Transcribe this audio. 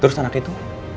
terus anaknya itu